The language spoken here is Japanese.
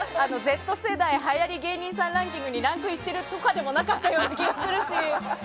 Ｚ世代はやり芸人さんランキングでランクインしているとかでもなかったような気もするし。